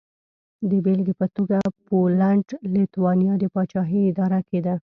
د بېلګې په توګه پولنډ-لېتوانیا پاچاهي اداره کېده.